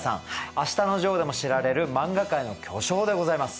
「あしたのジョー」でも知られる漫画界の巨匠でございます。